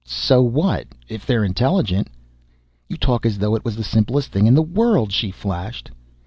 "So what? If they're intelligent " "You talk as though it was the simplest thing in the world," she flashed.